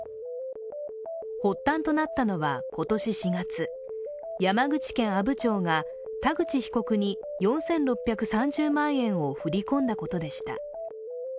発端となったのは今年４月山口県阿武町が田口被告に、４６３０万円を振り込んだことでした。